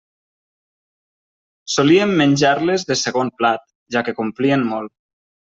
Solíem menjar-les de segon plat, ja que complien molt.